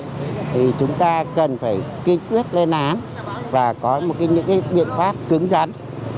thì chúng ta cần phải kiên quyết lên án và có những cái biện pháp cứng rắn